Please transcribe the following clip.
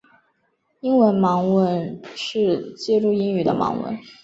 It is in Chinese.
英语盲文是记录英语的盲文。